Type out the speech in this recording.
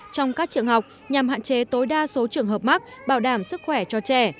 trong các trường học nhằm hạn chế tối đa số trường hợp mắc bảo đảm sức khỏe cho trẻ